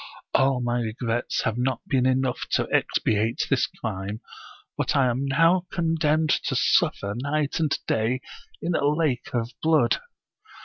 All my regrets have not been enough to expiate this crime, and I am now condemned to suffer night and day in a lake of blood.